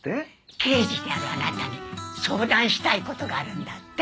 刑事であるあなたに相談したい事があるんだって。